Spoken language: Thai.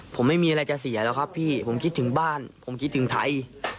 ผมไม่มีอะไรจะเสียแล้วครับพี่ผมคิดถึงบ้านผมคิดถึงไทย